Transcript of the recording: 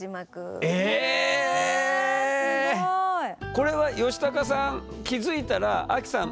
これはヨシタカさん気付いたらアキさん